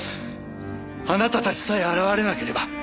あなたたちさえ現れなければ。